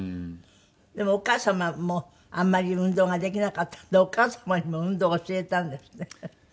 でもお母様もあんまり運動ができなかったんでお母様にも運動を教えたんですって？